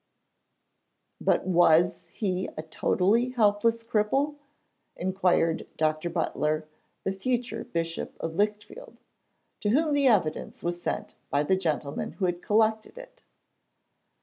'But was he a totally helpless cripple?' inquired Dr. Butler, the future Bishop of Lichfield, to whom the evidence was sent by the gentlemen who had collected it.